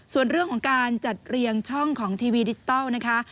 ส่วนเรื่องของการจัดเรียงช่องของทีวีดิจิทัลนะคะ